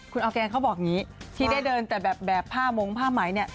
คุณออร์แกนเขาบอกอย่างนี้ที่ได้เดินแต่แบบผ้ามงผ้าไหมเนี่ย